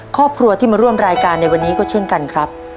ครอบครัวที่มาร่วมรายการในวันนี้ก็เช่นกันครับ